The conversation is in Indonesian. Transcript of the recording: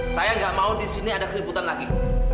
saya tidak mau di sini ada keliputan lagi